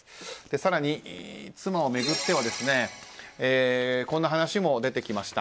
更に、妻を巡ってはこんな話も出てきました。